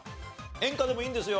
エンカでもいいんですよ。